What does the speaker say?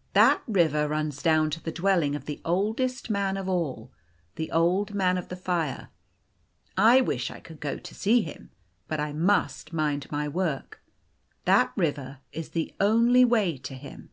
" That river runs down to the dwelling of the oldest man of all the Old Man of the Fire. I wish I could go to see him. But I must mind my work. That river is the only way to him."